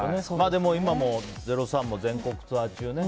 でも今、０３も全国ツアー中ね。